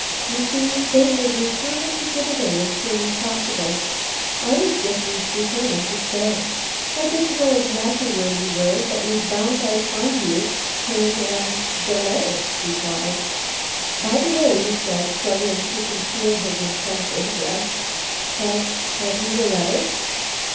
You see, they were determined to get away as soon as possible. I was just as determined to stay. I didn't know exactly where you were, but was bound I'd find you and and the letter." He paused. "By the way," he said, struggling to conceal his intense interest, "have have you the letter?"